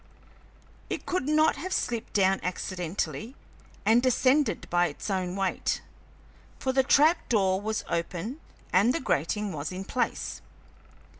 It could not have slipped down accidentally and descended by its own weight, for the trap door was open and the grating was in place.